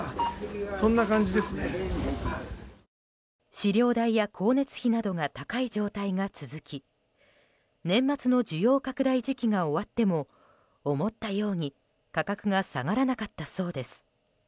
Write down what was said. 飼料代や光熱費などが高い状態が続き年末の需要拡大時期が終わっても思ったように価格が下がらなかったそうです。